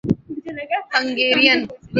Hungarian